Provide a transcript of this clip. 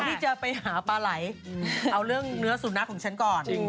ที่จะไปหาปลาไหลเอาเรื่องเนื้อสุนัขของฉันก่อน